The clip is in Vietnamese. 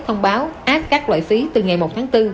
thông báo áp các loại phí từ ngày một tháng bốn